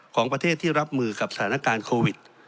ของประเทศที่รับมือกับสถานการณ์โควิด